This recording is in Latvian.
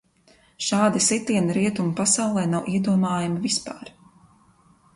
Šādi sitieni Rietumu pasaulē nav iedomājami vispār!